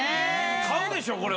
買うでしょこれ！